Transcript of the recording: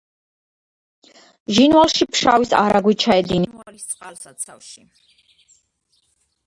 ჟინვალში ფშავის არაგვი ჩაედინება ჟინვალის წყალსაცავში.